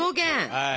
はい。